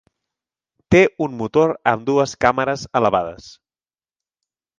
Té un motor amb dues càmeres elevades.